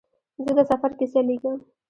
زه د سفر کیسه لیکم.